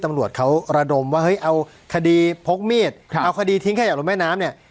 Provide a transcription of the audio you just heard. ตำรวจเขาระดมว่าเฮ้ยเอาคดีพกมีดเอาคดีทิ้งขยะลงแม่น้ำเนี่ย